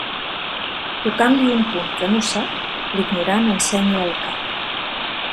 Tocant-li un punt que no sap, l'ignorant ensenya el cap.